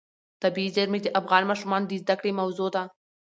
طبیعي زیرمې د افغان ماشومانو د زده کړې موضوع ده.